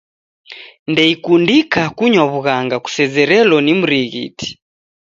Ndeikundika kunywa w'ughanga kusezerelo ni mrighiti.